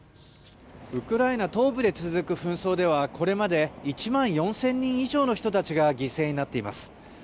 ウクライナ東部で続く紛争ではこれまで１万４０００人以上の人たちが犠牲になっています。